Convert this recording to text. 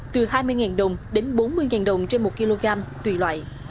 từ hai mươi đồng đến bốn mươi đồng trên một kg tùy loại